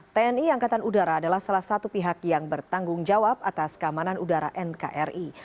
tni angkatan udara adalah salah satu pihak yang bertanggung jawab atas keamanan udara nkri